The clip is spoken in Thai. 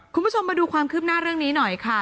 คุณผู้ชมมาดูความคืบหน้าเรื่องนี้หน่อยค่ะ